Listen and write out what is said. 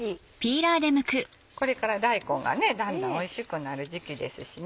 これから大根がだんだんおいしくなる時期ですしね